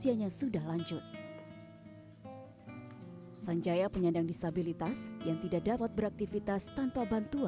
ia pun lahir dengan kondisi fisik yang tidak sempurna